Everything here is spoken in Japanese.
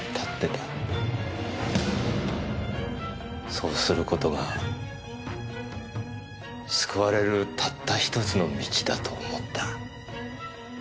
そうする事が救われるたった１つの道だと思った。